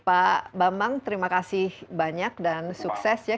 pak bambang terima kasih banyak dan sukses ya